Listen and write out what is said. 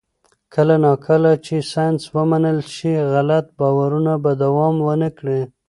کله نا کله چې ساینس ومنل شي، غلط باورونه به دوام ونه کړي.